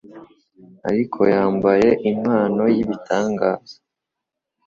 Ariko yambaye impano y'ibitangaza